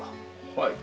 はい。